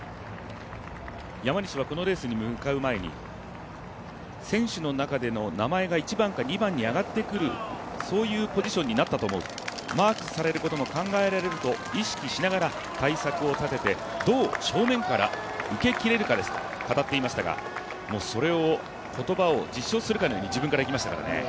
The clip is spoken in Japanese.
山西はこのレースに向かう前に選手の中での名前が一番か二番に挙がってくるそういうポジションになったと思う、マークされることも考えられると意識しながら対策を立てて、どう正面から受けきれるかですと語っていましたが、その言葉を実証するかのように自分からいきましたからね。